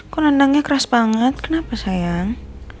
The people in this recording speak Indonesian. kok nandangnya keras banget kenapa sayang